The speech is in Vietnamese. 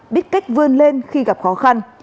biết cách vươn lên khi gặp khó khăn